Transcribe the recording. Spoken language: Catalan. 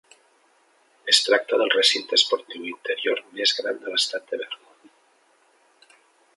Es tracta del recinte esportiu interior més gran de l'estat de Vermont.